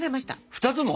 ２つも？